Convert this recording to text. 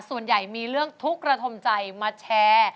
ส่วนใหญ่มีเรื่องทุกข์ระทมใจมาแชร์